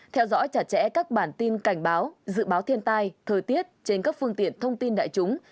theo dõi chặt chẽ các bản tin cảnh báo dự báo thiên tai thời tiết trên các phương tiện thông tin đại chúng